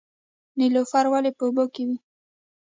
نیلوفر ولې په اوبو کې وي؟